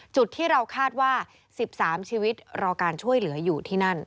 จุดที่เราคาดว่า๑๓ชีวิตรอการช่วยเหลืออยู่ที่นั่น